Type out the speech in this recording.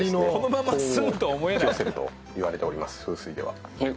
幸運を引き寄せるといわれております風水では。